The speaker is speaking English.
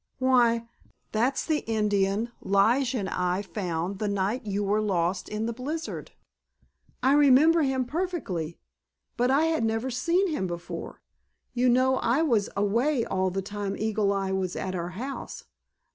"Why, that's the Indian Lige and I found the night you were lost in the blizzard! I remember him perfectly. But I had never seen him before. You know I was away all the time Eagle Eye was at our house.